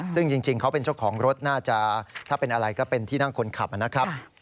ซึ่งจริงเขาเป็นเจ้าของรถน่าจะถ้าเป็นอะไรก็เป็นที่นั่งคนขับนะครับ